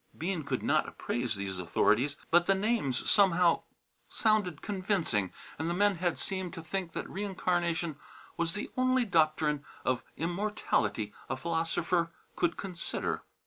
Bean could not appraise these authorities, but the names somehow sounded convincing and the men had seemed to think that reincarnation was the only doctrine of immortality a philosopher could consider.